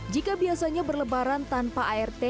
jika biasanya berlebaran tanpa art